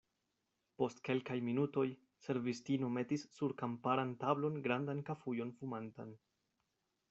Post kelkaj minutoj, servistino metis sur kamparan tablon grandan kafujon fumantan.